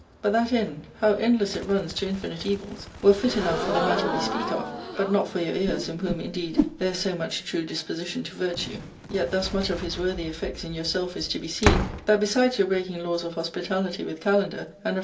But that end — how endless it runs to infinite evils — were fit enough for the matter we speak of; but not for your ears, in whom, indeed, there is so much true dis position to virtue ; yet thus much of his worthy effects in your self is to be seen, that, besides your breaking laws o^hosgii^lity { with Kalander, and of